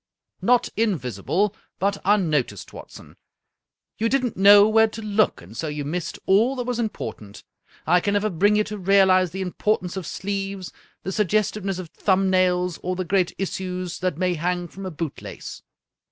" Not invisible, but unnoticed, Watson. You did not know where to look, and so you missed all that was important. I can never bring you to realize the impor tance of sleeves, the suggestiveness of thumb nails, or the great issues that may hang from a boot lace.